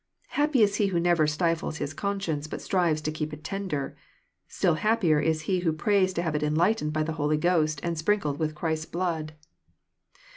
Happy is he who never stifles his conscience, bat strives to keep it tender I Still happier is he who prays to 1 have it enlightened by the Holy Ghost, and sprinkled with Christ's blood.